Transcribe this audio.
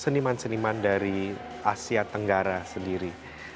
seniman seniman dari asia tenggara sendiri